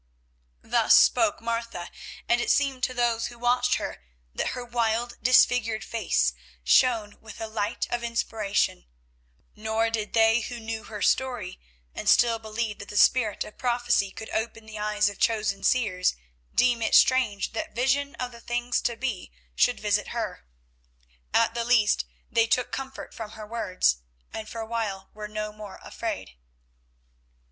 Thus spoke Martha, and it seemed to those who watched her that her wild, disfigured face shone with a light of inspiration, nor did they who knew her story, and still believed that the spirit of prophecy could open the eyes of chosen seers, deem it strange that vision of the things to be should visit her. At the least they took comfort from her words, and for a while were no more afraid.